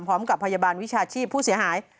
พร้อมกับพยาบาลวิชาชีพผู้เสียหาย